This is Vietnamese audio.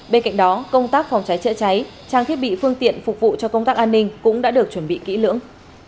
bên cạnh đó công tác phòng trái trợ trái trang thiết bị phương tiện phục vụ cho công tác an ninh cũng đã được chuẩn bị kỹ lưỡng